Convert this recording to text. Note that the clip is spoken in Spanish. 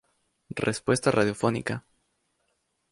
Respuesta Radiofónica